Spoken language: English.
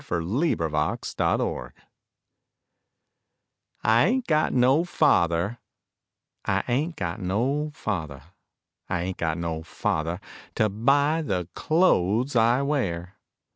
POOR LONESOME COWBOY I ain't got no father, I ain't got no father, I ain't got no father, To buy the clothes I wear.